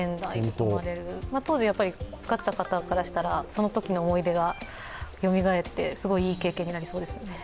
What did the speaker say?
当時、使っていた方からしたらそのときの思い出がよみがえって、いい経験になりそうですね。